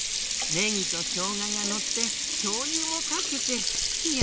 ねぎとしょうががのってしょうゆもかけてひや